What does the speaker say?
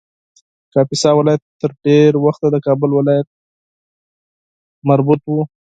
کاپیسا ولایت تر ډېر وخته د کابل ولایت مربوط و